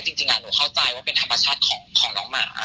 จริงหนูเข้าใจว่าเป็นธรรมชาติของน้องหมา